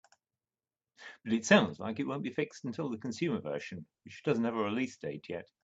But it sounds like it won't be fixed until the consumer version, which doesn't have a release date yet.